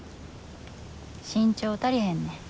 身長足りへんねん。